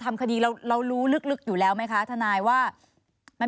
ทำคดีเราเรารู้ลึกอยู่แล้วไหมคะทนายว่ามัน